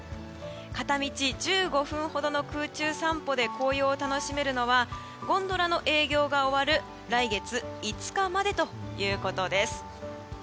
片道１５分ほどの空中散歩で紅葉を楽しめるのはゴンドラの営業が終わる来月５日までということです。